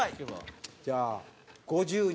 じゃあ５２。